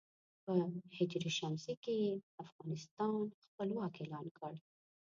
په ه ش کې یې افغانستان خپلواک اعلان کړ.